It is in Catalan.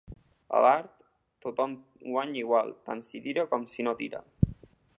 A l'art, tothom guanya igual, tant si tira com si no tira.